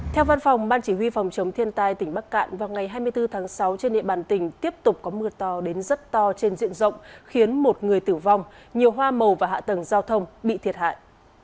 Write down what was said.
theo văn phòng ban chỉ huy phòng chống thiên tai tỉnh bắc cạn vào ngày hai mươi bốn tháng sáu trên địa bàn tỉnh tiếp tục có mưa to đến rất to trên diện rộng khiến một người tử vong nhiều hoa màu và hạ tầng giao thông bị thiệt hại